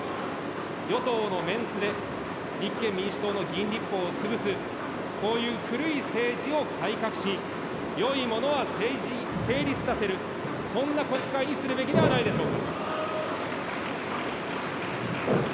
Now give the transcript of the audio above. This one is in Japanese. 与党のメンツで、立憲民主党の議員立法を潰す、こういう古い政治を改革し、よいものは成立させる、そんな国会にするべきではないでしょうか。